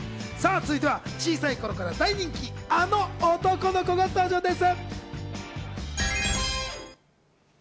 続いては小さい頃から大人気、あの男の子が登場です。